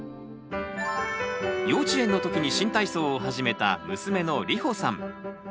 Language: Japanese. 幼稚園のときに新体操を始めた娘のりほさん。